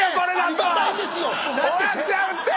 終わっちゃうって！